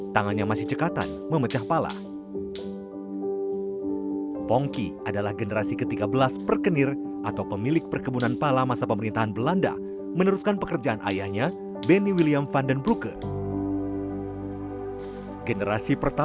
hingga kisah perdagangan rempah bangsa eropa